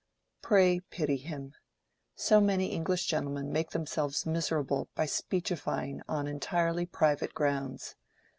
Pray pity him: so many English gentlemen make themselves miserable by speechifying on entirely private grounds!